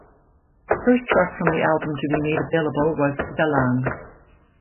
The first track from the album to be made available was "Galang".